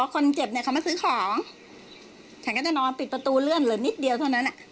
คนเจ็บเนี่ยเขามาซื้อของฉันก็จะนอนปิดประตูเลื่อนเหลือนิดเดียวเท่านั้นอ่ะ